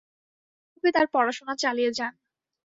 তিনি এইভাবেই তার পড়াশোনা চালিয়ে যান।